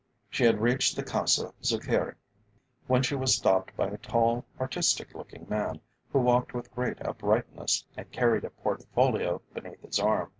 She had reached the Casa Zuccheri, when she was stopped by a tall artistic looking man, who walked with great uprightness, and carried a portfolio beneath his arm.